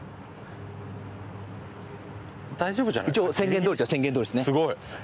一応宣言どおりっちゃ宣言どおりですね。